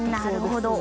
なるほど。